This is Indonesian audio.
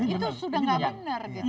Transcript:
itu sudah nggak benar